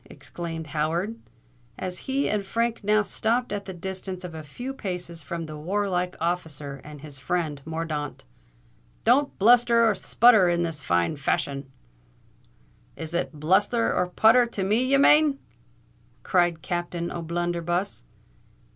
exclaimed Howard, as he and Frank now stopped at the distance of a few paces from the warlike officer and his friend Mordaunt: "don't bluster and sputter in this fine fashion——" "Is it blusther and sputther to me ye mane!" cried Captain O'Blunderbuss.